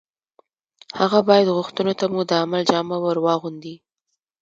هغه باید غوښتنو ته مو د عمل جامه ور واغوندي